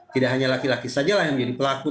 tidak hanya laki laki sajalah yang menjadi pelaku